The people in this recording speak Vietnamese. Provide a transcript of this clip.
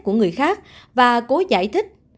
của người khác và cố giải thích